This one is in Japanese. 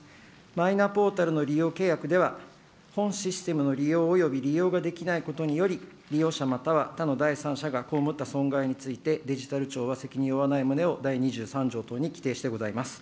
マイナポータルの利用契約では、本システムの利用および利用ができないことにより、利用者または他の第三者が被った損害について、デジタル庁は責任を負わない旨を、第２３条等に規定してございます。